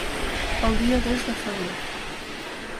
Pel dia dos de febrer.